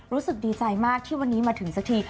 รู้สึกดีใจมากที่วันนี้มาถึงสักที